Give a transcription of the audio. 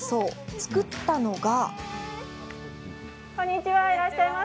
作ったのが。